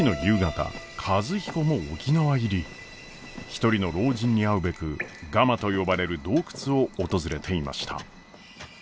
一人の老人に会うべくガマと呼ばれる洞窟を訪れていました。